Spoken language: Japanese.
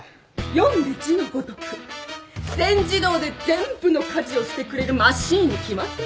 読んで字のごとく全自動で全部の家事をしてくれるマシンに決まってるじゃない。